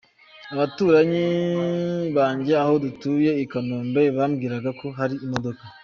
Abaturanyi banjye aho dutuye i Kanombe bambwiraga ko hari imodoka.